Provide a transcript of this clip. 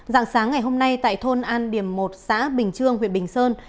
dạng sáng ngày hôm nay tại thôn an điểm một xã bình trương huyện bình sơn